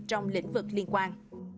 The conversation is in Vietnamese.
trong lĩnh vực liên quan